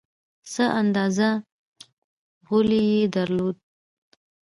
څه اندازه غولی یې درلود.